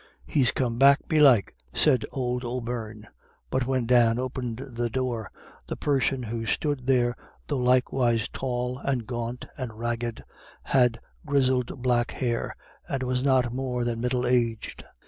"He's come back belike," said old O'Beirne; but when Dan opened the door, the person who stood there, though likewise tall and gaunt and ragged, had grizzled black hair, and was not more than middle aged.